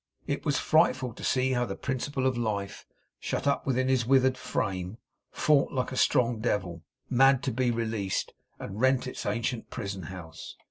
It was frightful to see how the principle of life, shut up within his withered frame, fought like a strong devil, mad to be released, and rent its ancient prison house.